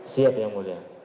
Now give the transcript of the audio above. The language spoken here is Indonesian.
siap yang mulia